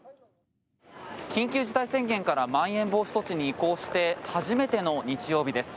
緊急事態宣言からまん延防止措置に移行して初めての日曜日です。